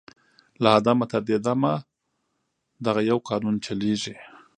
« له آدمه تر دې دمه دغه یو قانون چلیږي